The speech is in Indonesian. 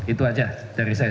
itu aja dari saya